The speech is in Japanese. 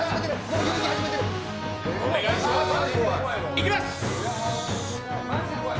いきます！